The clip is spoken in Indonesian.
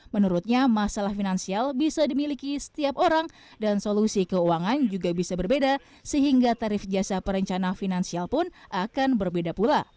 menurutnya masalah finansial bisa dimiliki setiap orang dan solusi keuangan juga bisa berbeda sehingga tarif jasa perencana finansial pun akan berbeda pula